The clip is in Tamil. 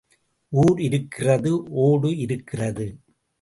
ஊர் இருக்கிறது ஓடு இருக்கிறது.